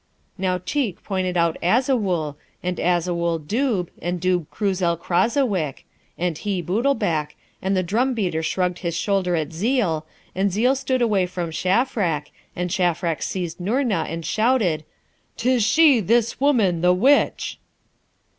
Now, Tcheik pointed out Azawool, and Azawool Dob, and Dob Krooz el Krazawik, and he Bootlbac, and the drum beater shrugged his shoulder at Zeel, and Zeel stood away from Shafrac, and Shafrac seized Noorna and shouted, ''Tis she, this woman, the witch!'